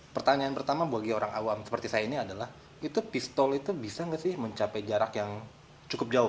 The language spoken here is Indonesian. pertanyaan pertama bagi orang awam seperti saya ini adalah itu pistol itu bisa nggak sih mencapai jarak yang cukup jauh